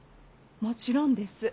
もちろんです。